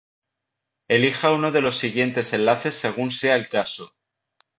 Elija uno de los siguientes enlaces según sea el caso: